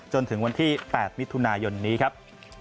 จนถึงวันที่๘มิถุนายนนี้ครับ